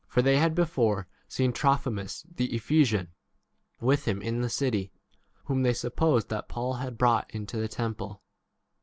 they had before seen Trophimus the Ephesian with him in the city, whom they supposed that Paul had 30 brought into the temple.